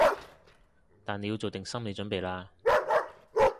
但你要做定心理準備喇